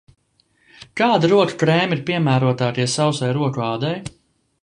Kādi roku krēmi ir piemērotākie sausai roku ādai?